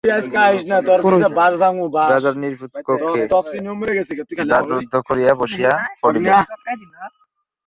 রাজা নিভৃত কক্ষে দ্বার রুদ্ধ করিয়া বসিয়া পড়িলেন।